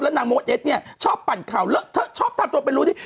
แล้วนางมดเอ็กซ์นี่ชอบปั่นข่าวเลอะเธอชอบทำตัวเป็นรู้ดี